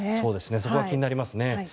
そこは気になりますね。